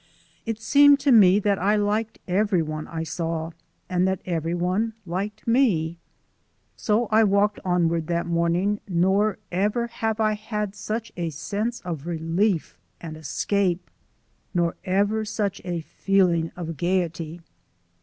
It seemed to me that I liked every one I saw, and that every one liked me. So I walked onward that morning, nor ever have had such a sense of relief and escape, nor ever such a feeling of gayety.